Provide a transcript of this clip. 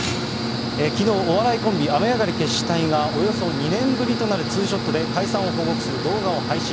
きのう、お笑いコンビ、雨上がり決死隊がおよそ２年ぶりとなるツーショットで解散を報告する動画を配信。